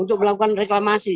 untuk melakukan reklamasi